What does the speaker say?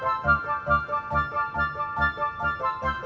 pokoknya gitu saya permisi dulu ya